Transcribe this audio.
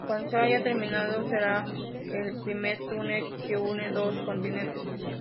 Cuando se haya terminado, será el primer túnel que une dos continentes.